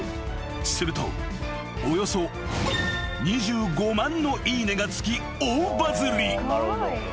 ［するとおよそ２５万のいいねが付き大バズリ］